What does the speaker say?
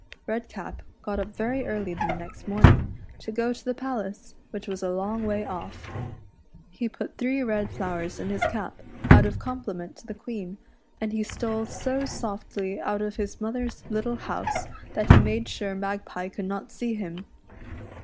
Redcap got up very early the next morning to go to the palace, which was a long way off. He put three red flowers in his cap out of compliment to the Queen, and he stole so softly out of his mother's little house, that he made sure Magpie could not see him.